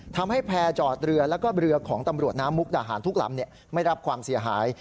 ทำให้แพร่จอดเรือแล้วก็เรือของตำรวจน้ำมุกดาหารทุกลำไม่รับความเสียหาย